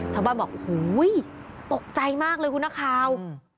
ชาวบ้านบอกโอ้โหตกใจมากเลยคุณนักข่าว